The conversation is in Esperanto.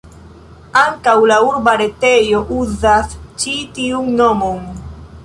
Ankaŭ la urba retejo uzas ĉi tiun nomon.